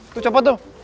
tuh coba tuh